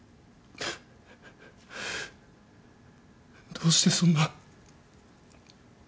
どうしてそんな。